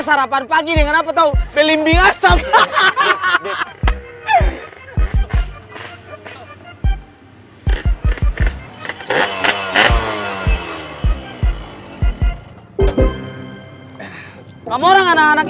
kalau sudah apa apa kabarnya ya